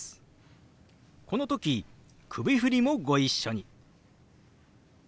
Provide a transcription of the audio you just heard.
この時首振りもご一緒に。